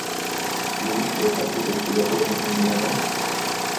Please এটাকে ব্যক্তিগতভাবে নিয়ো না।